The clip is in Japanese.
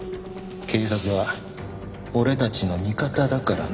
警察は俺たちの味方だからな。